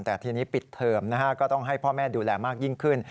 แต่ทีนี้ปิดเทอมนะฮะก็ต้องให้พ่อแม่ดูแลมากยิ่งขึ้น